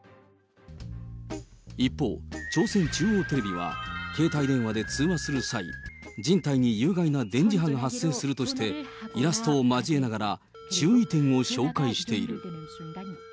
一方、朝鮮中央テレビは、携帯電話で通話する際、人体に有害な電磁波が発生するとして、イラストを交えながら、注意点を紹介している。